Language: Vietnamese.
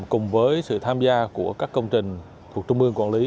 cùng với sự tham gia của các công trình thuộc trung ương quản lý